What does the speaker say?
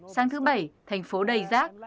sáng thứ bảy thành phố đầy rác